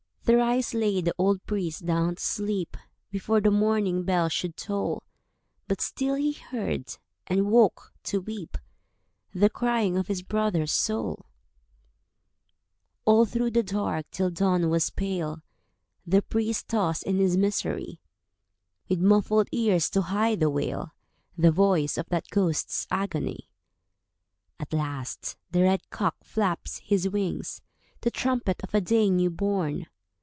Thrice lay the old priest down to sleep Before the morning bell should toll; But still he heard—and woke to weep— The crying of his brother's soul. All through the dark, till dawn was pale, The priest tossed in his misery, With muffled ears to hide the wail, The voice of that ghost's agony. At last the red cock flaps his wings To trumpet of a day new born.